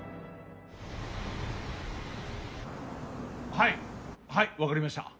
はいはい分かりました。